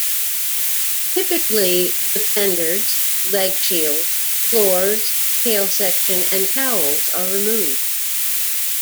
Typically, the fenders, leg shields, floors, tail section and cowls are removed.